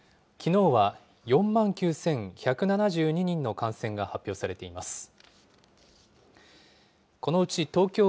きのうは４万９１７２人の感染が発表されています。